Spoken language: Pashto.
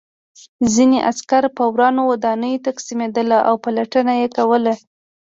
ځینې عسکر په ورانو ودانیو تقسیمېدل او پلټنه یې کوله